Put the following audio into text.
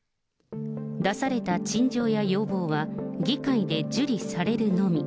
出された陳情や要望は、議会で受理されるのみ。